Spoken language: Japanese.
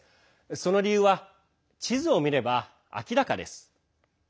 その理由は地図を見れば明らかです。